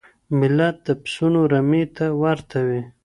ملت د پسونو رمې ته ورته وي.